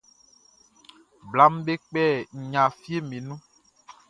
Blaʼm be kpɛ nɲa fieʼm be nun.